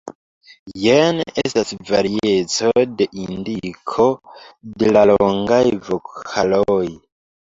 Jen estas varieco de indiko de la longaj vokaloj.